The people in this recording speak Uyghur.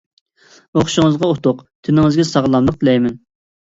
ئوقۇشىڭىزغا ئۇتۇق، تېنىڭىزگە ساغلاملىق تىلەيمەن.